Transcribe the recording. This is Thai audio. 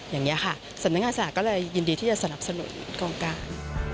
อย่างนี้ค่ะสำนักงานสลากก็เลยยินดีที่จะสนับสนุนกองการ